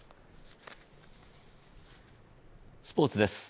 スポーツです。